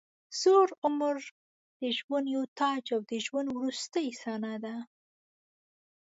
زوړ عمر د ژوند یو تاج او د ژوند وروستۍ صحنه ده.